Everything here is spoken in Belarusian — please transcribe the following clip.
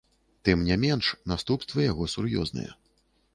Тым не менш, наступствы яго сур'ёзныя.